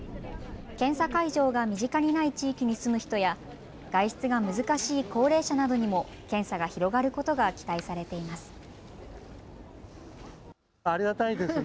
検査会場が身近にない地域に住む人や外出が難しい高齢者などにも検査が広がることが期待されています。